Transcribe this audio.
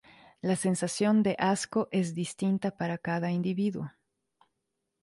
La sensación de asco es distinta para cada individuo.